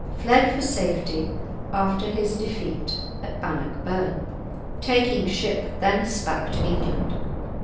fled for safety after his defeat at Bannockburn, taking ship thence back to England.